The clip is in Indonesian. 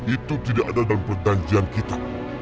itu tidak ada dalam perjanjian kita